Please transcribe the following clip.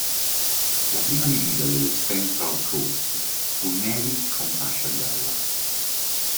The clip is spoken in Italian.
La prima divisa del Central Coast fu navy con fascia gialla.